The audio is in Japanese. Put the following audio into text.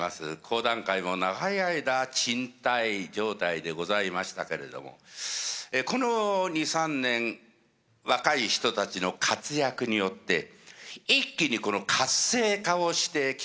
講談界も長い間沈滞状態でございましたけれどもこの２３年若い人たちの活躍によって一気に活性化をしてきたようでございます。